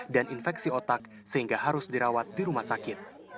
dan infeksi otak sehingga harus dirawat di rumah sakit